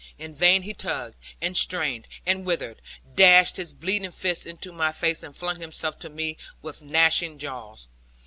In vain he tugged, and strained, and writhed, dashed his bleeding fist into my face, and flung himself on me with gnashing jaws.